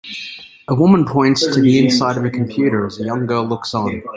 A woman points to the inside of a computer as a young girl looks on.